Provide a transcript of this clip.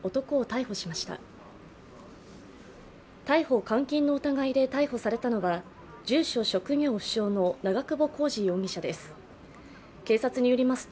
逮捕・監禁の疑いで逮捕されたのは住所・職業不詳の長久保浩二容疑者です。